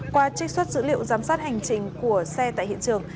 qua trích xuất dữ liệu giám sát hành trình của xe tại hiện trường